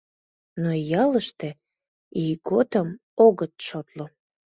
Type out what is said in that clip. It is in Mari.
Но ялыште ийготым огыт шотло.